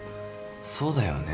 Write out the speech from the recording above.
そうだよね？